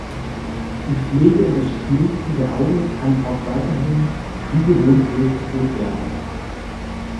Die Pflege und das Schminken der Augen kann auch weiterhin wie gewohnt durchgeführt werden.